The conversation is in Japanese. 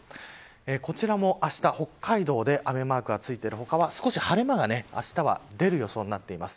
こちらもあした北海道で雨マークがついている他は少し晴れ間が出る予報になっています。